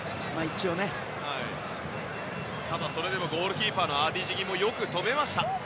それでもゴールキーパーのアティ・ジギもよく止めました。